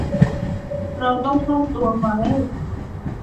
เราต้องซ่อนตัวไว้